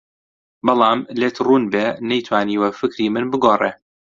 بەڵام لێت ڕوون بێ نەیتوانیوە فکری من بگۆڕێ